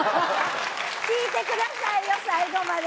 聞いてくださいよ最後まで！